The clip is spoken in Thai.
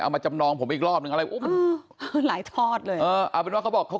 มาจำนองผมอีกรอบนึงอะไรอุ้มหลายทอดเลยเออเอาเป็นว่าเขาบอกเขา